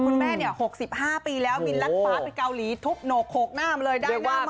คุณแม่เนี่ย๖๕ปีแล้ววินลักษณ์ฟ้าไปเกาหลีทุบโหนกโขกหน้ามาเลยได้หน้าใหม่